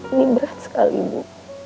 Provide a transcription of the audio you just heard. ini berat sekali bu